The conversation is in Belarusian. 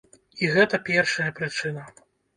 І гэта першая прычына.